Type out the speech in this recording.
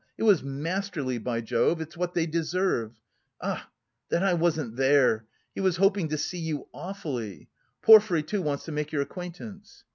It was masterly, by Jove, it's what they deserve! Ah, that I wasn't there! He was hoping to see you awfully. Porfiry, too, wants to make your acquaintance..."